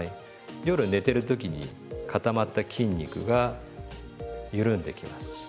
夜寝てる時に固まった筋肉が緩んできます。